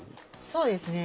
そうですね